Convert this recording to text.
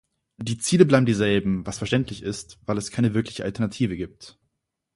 Die Ziele bleiben dieselben, was verständlich ist, weil es keine wirkliche Alternative gibt.